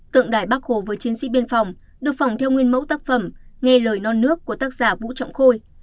tượng đài bắc hồ với chiến sĩ biên phòng được phỏng theo nguyên mẫu tác phẩm nghe lời non nước của tác giả vũ trọng khôi